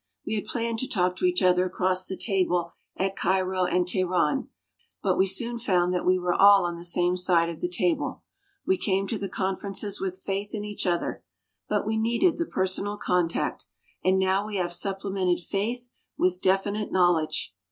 We had planned to talk to each other across the table at Cairo and Teheran; but we soon found that we were all on the same side of the table. We came to the conferences with faith in each other. But we needed the personal contact. And now we have supplemented faith with definite knowledge.